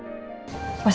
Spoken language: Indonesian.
cara apa sih kamu